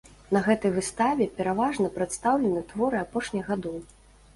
На гэтай выставе пераважна прадстаўлены творы апошніх гадоў.